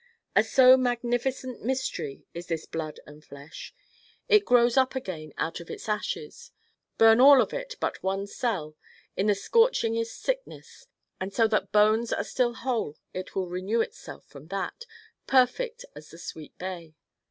A so magnificent mystery is this blood and flesh. It grows up again out of its ashes. Burn all of it but one cell in the scorchingest sickness and so that bones are still whole it will renew itself from that, perfect as the sweet bay.